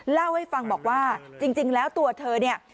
เล่าให้ฟังบอกว่าจริงแล้วตัวเธอเนี่ย